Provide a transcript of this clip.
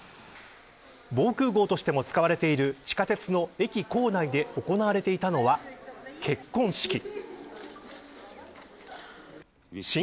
防空壕としても使われている地下鉄の駅構内で行われていたのは結婚式。